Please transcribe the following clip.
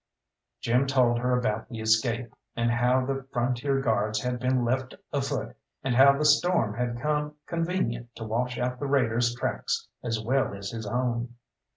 Jim told her about the escape, and how the Frontier Guards had been left afoot, and how the storm had come convenient to wash out the raiders' tracks as well as his own.